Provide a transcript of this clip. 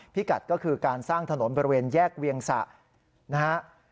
พิกัดก็คือการสร้างถนนบริเวณแยกเวียงสะนะฮะ